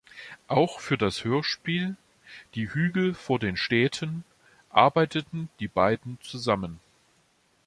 Auch für das Hörspiel "Die Hügel vor den Städten" arbeiteten die beiden zusammen.